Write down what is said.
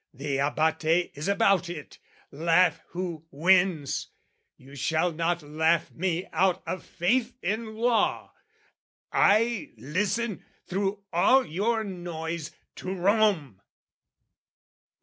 "The Abate is about it. Laugh who wins! "You shall not laugh me out of faith in law! "I listen, through all your noise, to Rome!"